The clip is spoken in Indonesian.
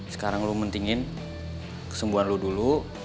sekarang lu mentingin kesembuhan lu dulu